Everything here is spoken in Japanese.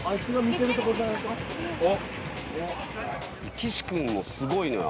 岸君もすごいのよ。